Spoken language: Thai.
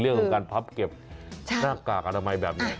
เรื่องของการพับเก็บหน้ากากอนามัยแบบนี้